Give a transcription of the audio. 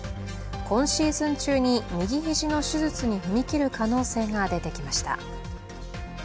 今シーズン中に右肘の手術に踏み切る可能性が出てきました。